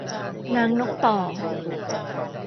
นางนกต่อ